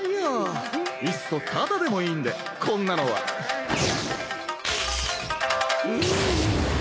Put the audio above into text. いっそタダでもいいんでこんなのは三味線）